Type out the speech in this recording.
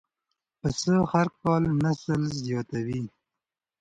پسه هر کال نسل زیاتوي.